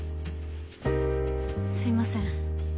すいません。